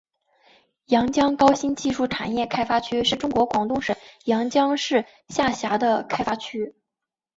阳江高新技术产业开发区是中国广东省阳江市下辖的开发区。